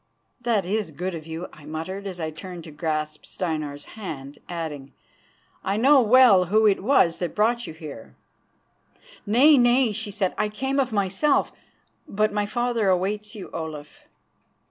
"That is good of you," I muttered as I turned to grasp Steinar's hand, adding: "I know well who it was that brought you here." "Nay, nay," she said. "I came of myself. But my father waits you, Olaf."